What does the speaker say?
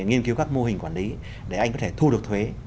nghiên cứu các mô hình quản lý để anh có thể thu được thuế